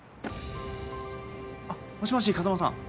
あっもしもし風真さん。